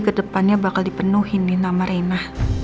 kedepannya bakal dipenuhi nih sama rena